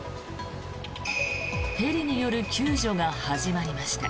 ヘリによる救助が始まりました。